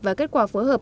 và kết quả phối hợp